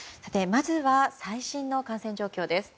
まずは、最新の感染状況です。